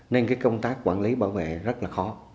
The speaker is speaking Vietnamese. nên cái công tác quản lý bảo vệ rất là khó